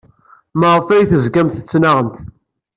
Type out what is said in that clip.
Maɣef ay tezgamt tettnaɣemt?